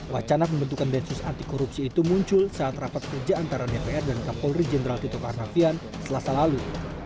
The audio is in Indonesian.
wacana pembentukan densus anti korupsi itu muncul saat rapat kerja antara dpr dan kapolri jenderal tito karnavian selasa lalu